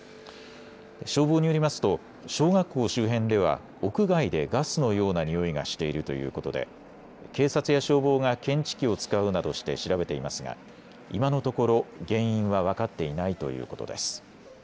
消防によりますと小学校周辺では屋外でガスのようなにおいがしているということで警察や消防が検知器を使うなどして調べていますが今のところ原因は分かっていないということです。